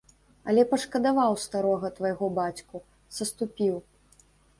Але пашкадаваў старога твайго бацьку, саступіў.